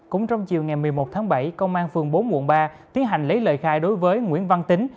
cũng trong chiều ngày một mươi một tháng bảy công an phường bốn quận ba tiến hành lấy lời khai đối với nguyễn văn tính